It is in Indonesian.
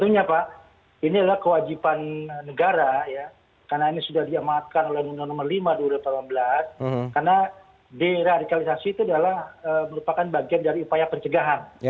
tentunya pak ini adalah kewajiban negara karena ini sudah diamatkan oleh undang undang nomor lima dua ribu delapan belas karena deradikalisasi itu adalah merupakan bagian dari upaya pencegahan